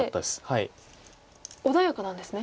穏やかなんですね。